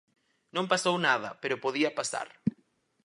Non pasou nada, pero podía pasar.